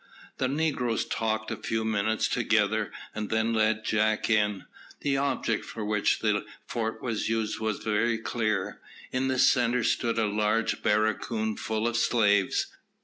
The negroes talked a few minutes together, and then led Jack in. The object for which the fort was used was very clear. In the centre stood a large barracoon full of slaves.